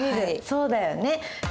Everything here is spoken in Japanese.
そうだよね。